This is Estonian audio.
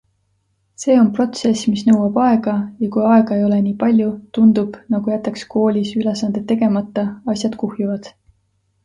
See on protsess, mis nõuab aega, ja kui aega ei ole nii palju, tundub, nagu jätaks koolis ülesanded tegemata, asjad kuhjuvad.